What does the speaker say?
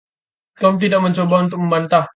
Tom tidak mencoba untuk membantah.